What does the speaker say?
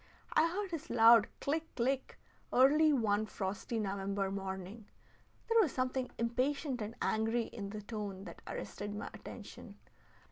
I heard his loud click, click, early one frosty November morning. There was something impatient and angry in the tone that arrested my attention.